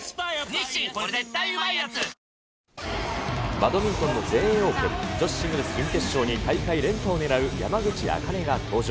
バドミントンの全英オープン、女子シングルス準決勝に、大会連覇を狙う山口茜が登場。